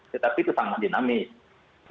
tetapi itu sangat dinamis